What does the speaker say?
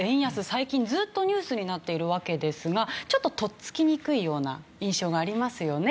最近ずっとニュースになっているわけですがちょっと取っつきにくいような印象がありますよね。